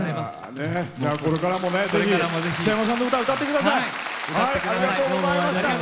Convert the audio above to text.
これからも北山さんの歌を歌ってください。